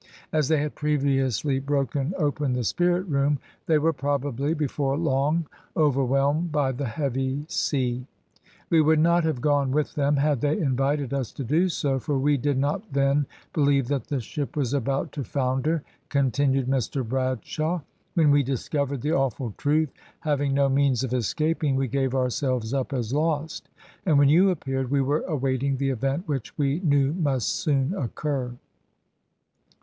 As they had previously broken open the spirit room, they were probably, before long, overwhelmed by the heavy sea. "We would not have gone with them, had they invited us to do so, for we did not then believe that the ship was about to founder," continued Mr Bradshaw. "When we discovered the awful truth, having no means of escaping, we gave ourselves up as lost, and when you appeared we were awaiting the event which we knew must soon occur."